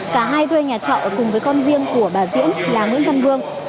cả hai thuê nhà trọ ở cùng với con riêng của bà diễm là nguyễn văn vương